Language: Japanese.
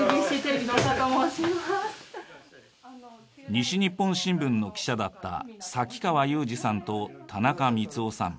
西日本新聞の記者だった先川祐次さんと田中光雄さん。